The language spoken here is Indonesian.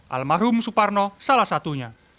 almarhum suparno salah satunya